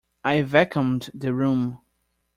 I vacuumed the room.